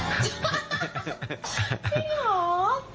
จริงหรอ